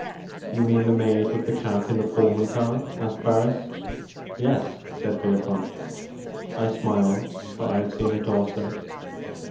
" You mean the maid with the cap in the Pull man car ?" asked Barris. "Yes," said Pierpont. I smiled, for I had seen it also.